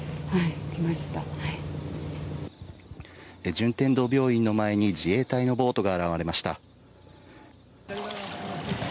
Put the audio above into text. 順天堂病院の前に自衛隊のボートが現れました。